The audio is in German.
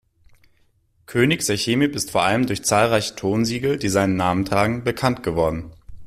König Sechemib ist vor allem durch zahlreiche Tonsiegel, die seinen Namen tragen, bekannt geworden.